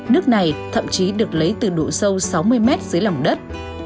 nước này thậm chí được lấy từ độ sâu sáu mươi mét dưới lòng đất